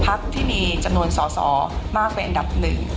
พักที่มีจำนวนสอสอมากเป็นอันดับหนึ่ง